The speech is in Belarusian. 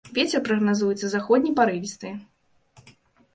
Вецер прагназуецца заходні парывісты.